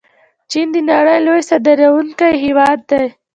چین د نړۍ لوی صادروونکی هیواد دی.